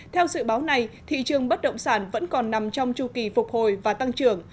theo dự báo này thị trường bất động sản vẫn còn nằm trong chu kỳ phục hồi và tăng trưởng